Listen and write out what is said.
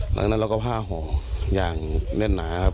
หลังจากนั้นเราก็ผ้าห่ออย่างแน่นหนาครับ